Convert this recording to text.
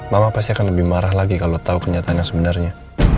bapak pasti akan lebih marah lagi kalau tahu kenyataan yang sebenarnya